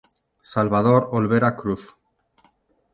Salvador Olvera Cruz.